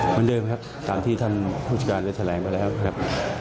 เหมือนเดิมครับตามที่ท่านผู้จัดการได้แถลงมาแล้วครับ